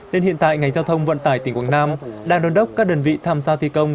nên hiện tại ngành giao thông vận tải tỉnh quảng nam đang đôn đốc các đơn vị tham gia thi công